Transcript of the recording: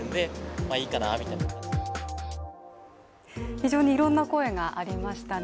非常にいろんな声がありましたね。